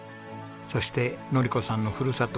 そして典子さんのふるさと